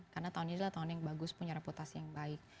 karena tahun ini adalah tahun yang bagus punya reputasi yang baik